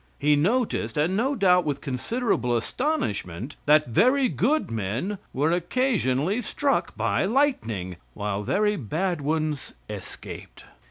He noticed, and no doubt with considerable astonishment, that very good men were occasionally struck by lightning, while very bad ones escaped.